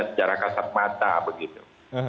secara kasar mata begitu